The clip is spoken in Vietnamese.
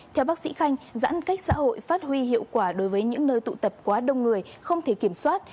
theo bác sĩ khanh giãn cách xã hội phát huy hiệu quả đối với những nơi tụ tập quá đông người không thể kiểm soát